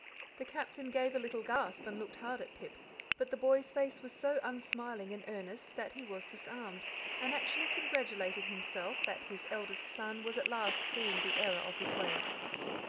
The Captain gave a little gasp and looked hard at Pip; but the boy's face was so unsmiling and earnest that he was disarmed, and actually congratulated himself that his eldest son was at last seeing the error of his ways.